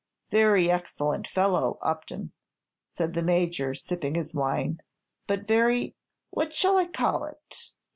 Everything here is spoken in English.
"Very excellent fellow, Upton," said the Major, sipping his wine, "but very what shall I call it?